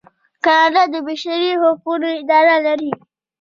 کاناډا د بشري حقونو اداره لري.